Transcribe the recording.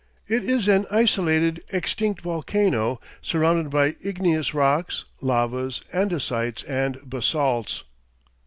It is an isolated, extinct volcano surrounded by igneous rocks, lavas, andesites, and basalts.